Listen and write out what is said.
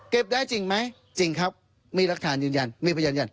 ได้จริงไหมจริงครับมีรักฐานยืนยันมีพยานยัน